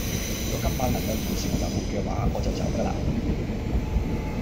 如果今晚能夠完成任務嘅話，我就走架喇